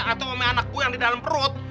atau sama anak gue yang di dalam perut